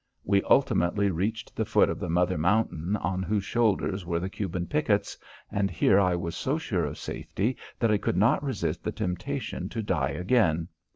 We ultimately reached the foot of the mother mountain on whose shoulders were the Cuban pickets, and here I was so sure of safety that I could not resist the temptation to die again.